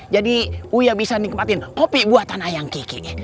jadi uya bisa nikmatin kopi buatan ayam kiki